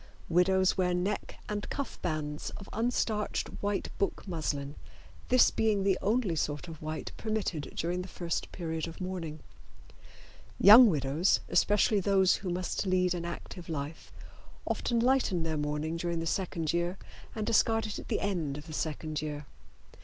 Widows wear neck and cuff bands of unstarched white book muslin, this being the only sort of white permitted during the first period of mourning. Young widows, especially those who must lead an active life, often lighten their mourning during the second year and discard it at the end of the second year.